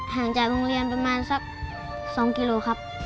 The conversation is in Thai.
จากโรงเรียนประมาณสัก๒กิโลครับ